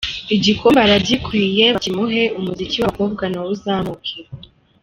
Igikombe aragikwiye bakimuhe umuziki w’abakobwa na wo uzamuke”.